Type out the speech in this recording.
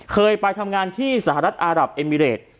เคยไปทำงานที่สหรัฐอารับเอมิเรต